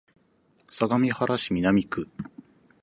相模原市南区